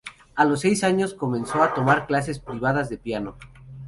A los seis años comenzó a tomar clases privadas de piano.